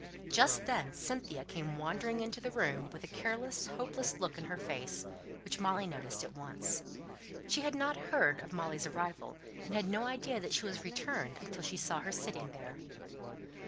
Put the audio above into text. Just then Cynthia came wandering into the room with a careless, hopeless look in her face, which Molly noticed at once. She had not heard of Molly's arrival, and had no idea that she was returned until she saw her sitting there.